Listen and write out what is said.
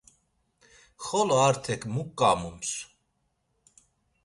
Xolo Artek mu ǩamums?